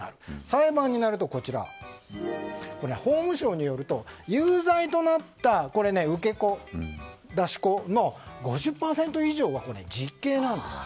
裁判になると、法務省によると有罪となった受け子出し子の５０％以上は実刑なんです。